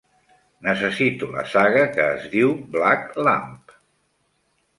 Necessito la saga que es diu Black Lamp